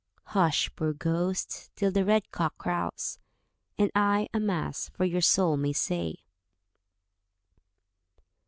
"Hush, poor ghost, till the red cock crows, And I a Mass for your soul may say."